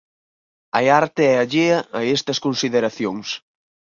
A arte é allea a estas consideracións.